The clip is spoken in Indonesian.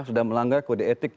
sudah melanggar kode etik